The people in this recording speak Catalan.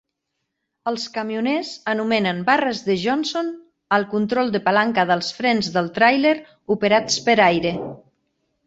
Els camioners anomenen "barres de Johnson" al control de palanca dels frens del tràiler operats per aire.